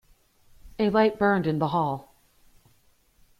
A light burned in the hall.